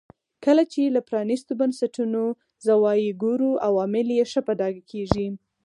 کله چې له پرانیستو بنسټونو زاویې ګورو عوامل یې ښه په ډاګه کېږي.